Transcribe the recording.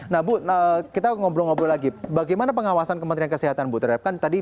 nah bu kita ngobrol ngobrol lagi bagaimana pengawasan kementerian kesehatan bu terhadap tadi